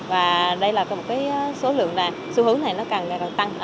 và đây là một số lượng là xu hướng này nó càng tăng